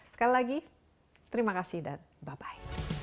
sekali lagi terima kasih dan bye bye